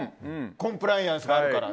コンプライアンスがあるから。